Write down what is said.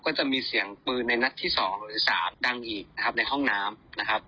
ก็จะมีเสียงปืนในนัดที่สองหรือสามดังอีกนะครับในห้องน้ำนะครับ